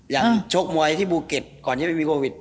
ชกมวยที่ภูเก็ตก่อนที่ไม่มีโควิด